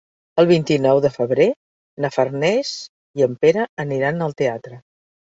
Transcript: El vint-i-nou de febrer na Farners i en Pere aniran al teatre.